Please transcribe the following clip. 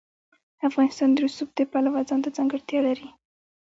افغانستان د رسوب د پلوه ځانته ځانګړتیا لري.